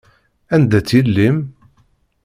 Anda-tt yelli-m?